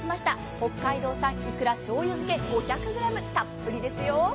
北海道産いくら醤油漬け５００ｇたっぷりですよ。